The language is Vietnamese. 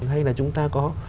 hay là chúng ta có